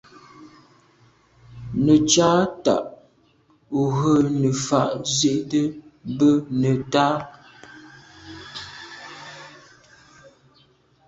Nə̀ cǎ tǎ ú rə̌ nə̀ fà’ zí’də́ bə́ nə̀tá.